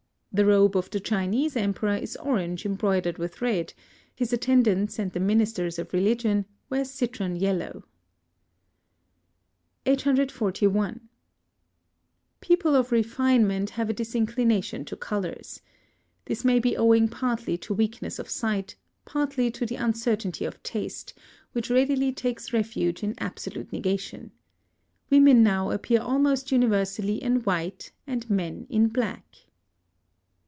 The robe of the Chinese Emperor is orange embroidered with red; his attendants and the ministers of religion wear citron yellow. 841. People of refinement have a disinclination to colours. This may be owing partly to weakness of sight, partly to the uncertainty of taste, which readily takes refuge in absolute negation. Women now appear almost universally in white and men in black.